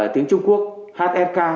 tiếng trung quốc hsk